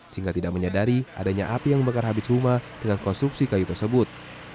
sehingga tidak menyadari adanya api yang membakar habis rumah dengan konstruksi kayu tersebut